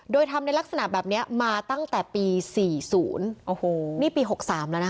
โดยทำในลักษณะแบบนี้มาตั้งแต่ปี๔๐โอ้โหนี่ปี๖๓แล้วนะคะ